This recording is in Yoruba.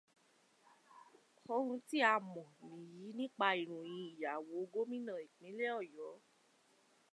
Òhun tí a mọ̀ nìyí nípa ìròyìn ìyàwó Gómìnà ìpínlẹ̀ Ọ̀yọ́